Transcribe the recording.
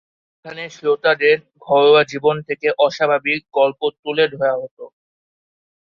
যেখানে শ্রোতাদের ঘরোয়া জীবন থেকে অস্বাভাবিক গল্প তুলে ধরা হত।